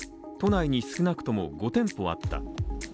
都内に少なくとも５店舗あった。